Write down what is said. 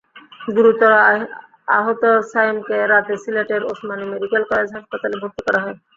গুরুতর আহত সায়েমকে রাতে সিলেটের ওসমানী মেডিকেল কলেজ হাসপাতালে ভর্তি করা হয়।